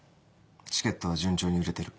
チケットは順調に売れてる。